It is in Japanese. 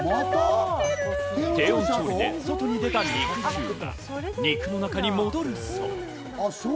低温調理で外に出た肉汁が肉の中に戻るそうで。